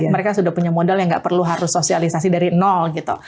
mereka sudah punya modal yang nggak perlu harus sosialisasi dari nol gitu